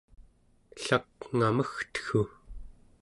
ellakngamegteggu